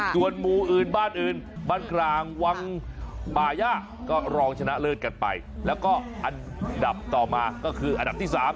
ส่วนหมู่อื่นบ้านอื่นบ้านกลางวังป่าย่าก็รองชนะเลิศกันไปแล้วก็อันดับต่อมาก็คืออันดับที่๓